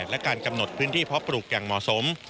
และการกำหนดพื้นที่เพาะปลูกอย่างเหมาะสม